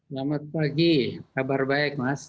selamat pagi kabar baik mas